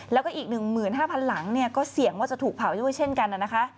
แล้วก็อีก๑๕๐๐๐หลังเนี่ยก็เสี่ยงว่าจะถูกเผาด้วยเช่นกันนะคะ